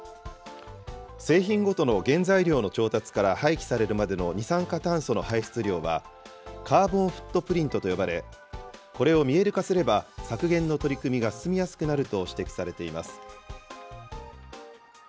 製品ごとの原材料の調達から廃棄されるまでの二酸化炭素の排出量は、カーボンフットプリントと呼ばれ、これを見える化すれば、削減の取り組みが進みやすくなると指摘されています。